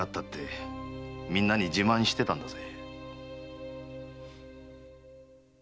みんなに自慢してたんだぜ。